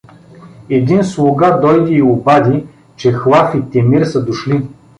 Един слуга дойде и обади, че Хлав и Темир са дошли.